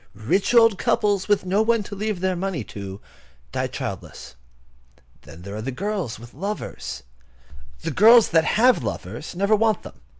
Rich old couples, with no one to leave their money to, die childless. Then there are girls with lovers. The girls that have lovers never want them.